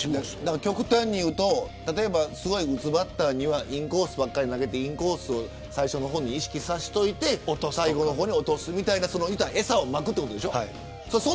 極端に言うと打つバッターにはインコースばかり投げてインコースを最初の方に意識させておいて最後に落とすみたいなえさをまくということでしょう。